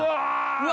うわ。